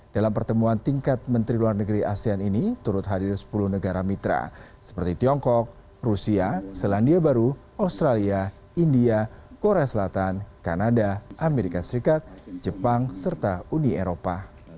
dalam pertemuan tingkat menteri luar negeri asean ini turut hadir sepuluh negara mitra seperti tiongkok rusia selandia baru australia india korea selatan kanada amerika serikat jepang serta uni eropa